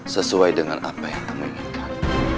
sesuai dengan apa yang kami inginkan